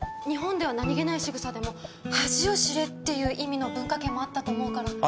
日本では何げない仕草でも「恥を知れ」っていう意味の文化圏もあったと思うから。